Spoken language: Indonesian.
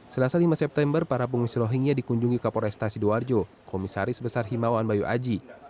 selasa lima september para pengungsi rohingya dikunjungi kapolresta sidoarjo komisaris besar himawan bayu aji